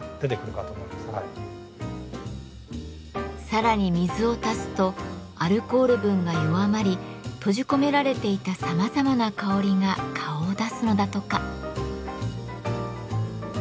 さらに水を足すとアルコール分が弱まり閉じ込められていたさまざまな香りが顔を出すのだとか。